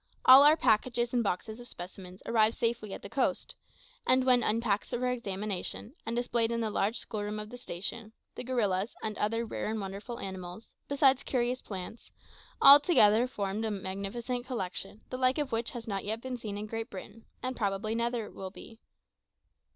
All our packages and boxes of specimens arrived safely at the coast; and when unpacked for examination, and displayed in the large schoolroom of the station, the gorillas, and other rare and wonderful animals, besides curious plants, altogether formed a magnificent collection, the like of which has not yet been seen in Great Britain, and probably never will be.